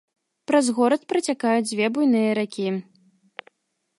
Праз горад працякаюць дзве буйныя ракі.